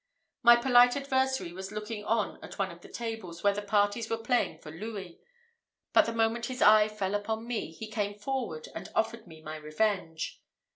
My polite adversary was looking on at one of the tables, where the parties were playing for louis; but the moment his eye fell upon me, he came forward and offered me my revenge.